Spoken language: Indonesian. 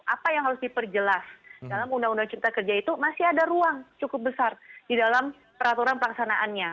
apa yang harus diperjelas dalam undang undang cipta kerja itu masih ada ruang cukup besar di dalam peraturan pelaksanaannya